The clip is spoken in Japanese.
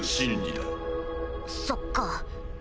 そっか。